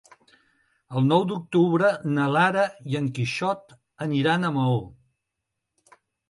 El nou d'octubre na Lara i en Quixot aniran a Maó.